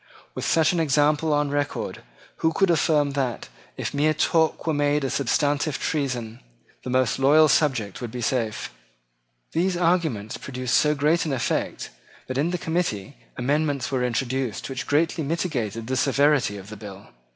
With such an example on record, who could affirm that, if mere talk were made a substantive treason, the most loyal subject would be safe? These arguments produced so great an effect that in the committee amendments were introduced which greatly mitigated the severity of the bill.